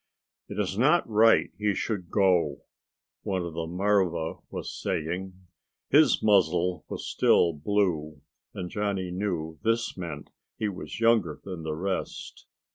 "It is not right he should go," one of the marva was saying. His muzzle was still blue, and Johnny knew this meant he was younger than the rest.